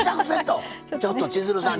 ちょっと千鶴さん